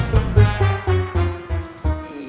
masih kurang mulai ya